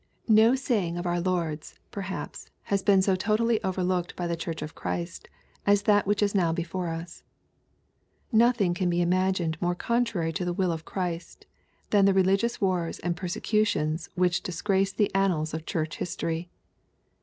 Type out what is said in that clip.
No saying of our Lord's, perhaps, has been so totally overlooked by the Church of Christ as that which is now before us. Nothing can be imagined more contrary to the win of Christ than the religious wars and perse cutions which disgrace the annals of Church history.